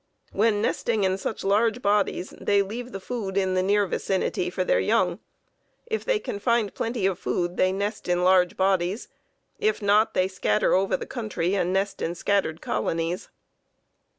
When nesting in such large bodies, they leave the food in the near vicinity for their young. If they can find plenty of food, they nest in large bodies; if not, they scatter over the country and nest in scattered colonies.